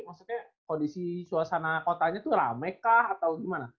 maksudnya kondisi suasana kotanya tuh rame kah atau gimana